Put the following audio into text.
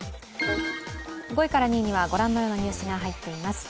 ５位から２位にはご覧のようなニュースが入っています。